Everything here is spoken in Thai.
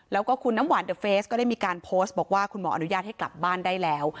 แล้วก็คุณน้ำหวานเดอะเฟสก็ได้มีการโพสต์บอกว่าคุณหมออนุญาตให้กลับบ้านได้แล้ว